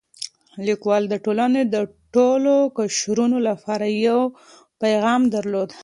لیکوال د ټولنې د ټولو قشرونو لپاره یو پیغام درلود.